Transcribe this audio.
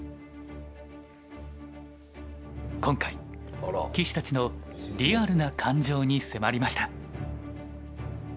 今回棋士たちのリアルな感情に迫りました。